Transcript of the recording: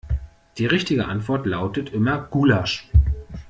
Die richtige Antwort lautet immer Gulasch.